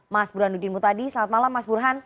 mas burhanuddin mutadi selamat malam mas burhan